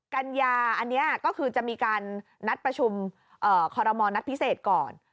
กัญญาอันนี้ก็คือจะมีการนัดประชุมคอรมณ์นัดพิเศษก่อน